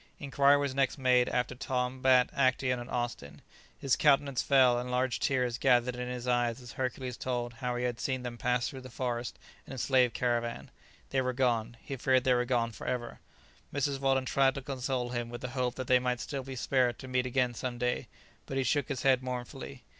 Inquiry was next made after Tom, Bat, Actæon, and Austin. His countenance fell, and large tears gathered in his eyes as Hercules told how he had seen them pass through the forest in a slave caravan. They were gone; he feared they were gone for ever. Mrs. Weldon tried to console him with the hope that they might still be spared to meet again some day; but he shook his head mournfully.